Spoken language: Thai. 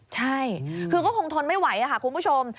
ใช่คือก็คงทนไม่ไหวค่ะคุณผู้ชม